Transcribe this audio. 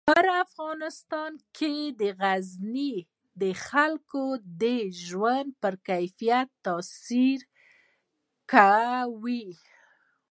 په افغانستان کې غزني د خلکو د ژوند په کیفیت تاثیر کوي.